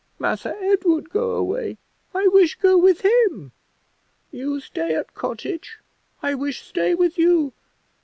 Massa Edward go away I wish go with him. You stay at cottage I wish stay with you.